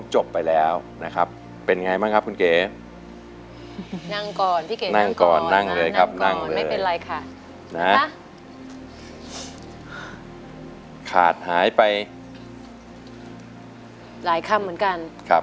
หลายคำเหมือนกัน